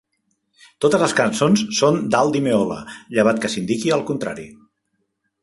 Totes les cançons són d'Al Di Meola, llevat que s'indiqui el contrari.